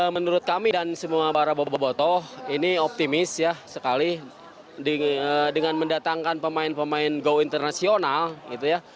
menurut kami dan semua para boboto ini optimis ya sekali dengan mendatangkan pemain pemain go internasional gitu ya